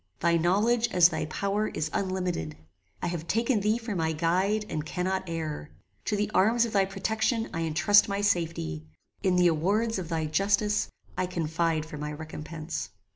Thy knowledge, as thy power, is unlimited. I have taken thee for my guide, and cannot err. To the arms of thy protection, I entrust my safety. In the awards of thy justice, I confide for my recompense.